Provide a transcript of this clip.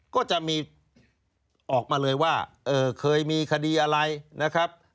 ก็จะมีออกมาเลยว่าเคยมีคดีอะไรนะครับ